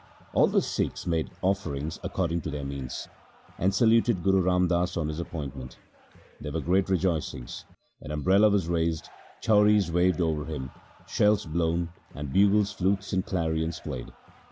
All the Sikhs made offerings according to their means, and saluted Guru Ram Das on his appoint ment. There were great rejoicings. An umbrella was raised, chauris waved over him, shells blown, and bugles, flutes, and clarions played.